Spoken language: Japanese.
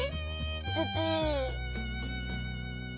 ププ。